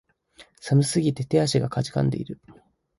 寒すぎて手足が悴んでいる